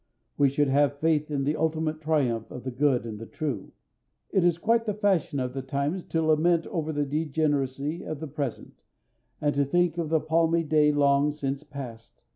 We should have faith in the ultimate triumph of the good and the true. It is quite the fashion of the times to lament over the degeneracy of the present, and to think of the palmy day long since past.